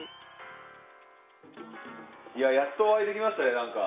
いややっとお会いできましたね何か。